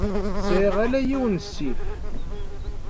Sɛiɣ ala yiwen n ssif.